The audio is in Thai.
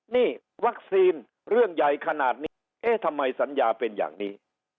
นี่วัคซีนเรื่องใหญ่ขนาดนี้เอ๊ะทำไมสัญญาเป็นอย่างนี้